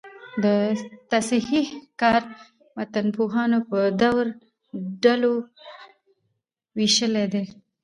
د تصحیح کار متنپوهانو په درو ډلو ویشلی دﺉ.